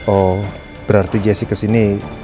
oh berarti jaycee kesini